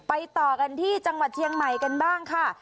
ต่อกันที่จังหวัดเชียงใหม่กันบ้างค่ะ